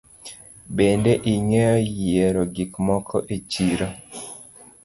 Bende ingeyo yiero gik moko e chiro.